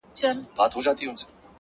زه وايم دا!